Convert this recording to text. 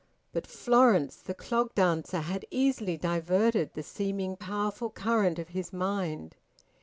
But Florence the clog dancer had easily diverted the seeming powerful current of his mind.